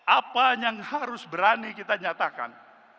apa yang harus berani kita nyatakan